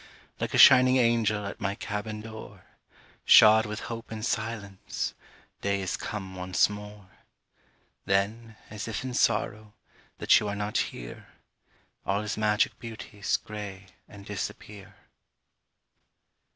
Like a shining angel At my cabin door, Shod with hope and silence, Day is come once more. Then, as if in sorrow That you are not here, All his magic beauties Gray and disappear.